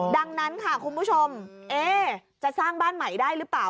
ดังนั้นค่ะคุณผู้ชมจะสร้างบ้านใหม่ได้หรือเปล่า